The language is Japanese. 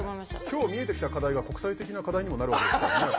今日見えてきた課題が国際的な課題にもなるわけですからね。